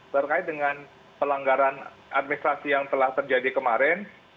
terkait dengan pelanggaran administrasi yang telah terjadi kemarin